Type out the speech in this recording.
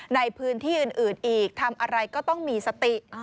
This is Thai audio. ในพื้นที่อื่นอีกทำอะไรก็ต้องมีสติ